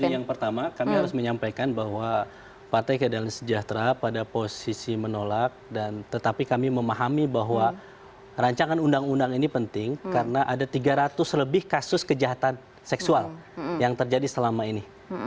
yang pertama kami harus menyampaikan bahwa partai keadilan sejahtera pada posisi menolak dan tetapi kami memahami bahwa rancangan undang undang ini penting karena ada tiga ratus lebih kasus kejahatan seksual yang terjadi selama ini